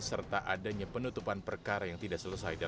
serta adanya penutupan perkara yang tidak selesai